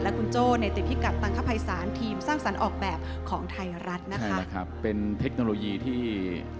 คุณโจ้ในติดพิกัดตังคภัยศาลทีมสร้างสรรค์ออกแบบของไทยรัฐนะคะนะครับเป็นเทคโนโลยีที่